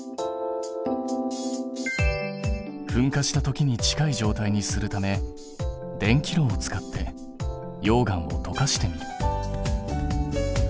噴火したときに近い状態にするため電気炉を使って溶岩をとかしてみる。